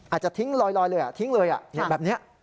อาจจะทิ้งลอยเลยแบบนี้